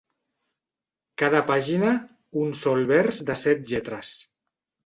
Cada pàgina, un sol vers de set lletres.